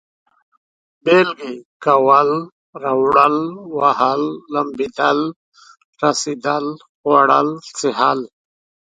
بېلگې: کول، راوړل، وهل، لمبېدل، رسېدل، خوړل، څښل